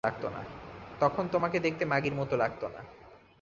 তখন তোমাকে দেখতে মাগীর মতো লাগত না।